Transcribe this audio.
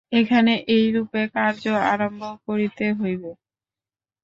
এখানে এইরূপেই কার্য আরম্ভ করিতে হইবে।